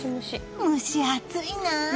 蒸し暑いな。